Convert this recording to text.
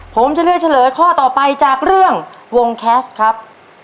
ผมจะเลือกเฉลยข้อต่อไปจากเรื่องวงแคสต์ครับ